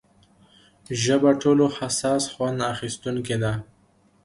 ژبه ټولو حساس خوند اخیستونکې ده.